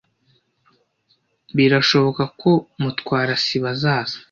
Birashoboka ko Mutwara sibo azaza.